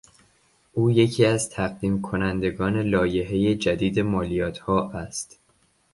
او یکی از تقدیم کنندگان لایحهی جدید مالیاتها است.